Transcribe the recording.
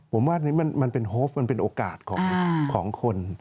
ผมว่านี่เป็นโครว์ฟโอกาสของคน